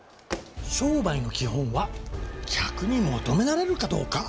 商売の基本は「客に求められるかどうか」。